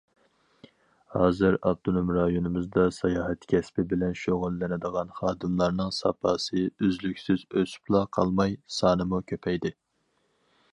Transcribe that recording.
ھازىر، ئاپتونوم رايونىمىزدا ساياھەت كەسپى بىلەن شۇغۇللىنىدىغان خادىملارنىڭ ساپاسى ئۈزلۈكسىز ئۆسۈپلا قالماي، سانىمۇ كۆپەيدى.